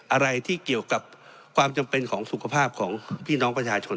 อะไรที่เกี่ยวกับความจำเป็นของสุขภาพของพี่น้องประชาชน